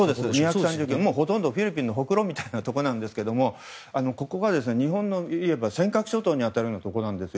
ほとんどフィリピンのほくろみたいなところなんですけどもここが日本の尖閣諸島に当たるようなところなんです。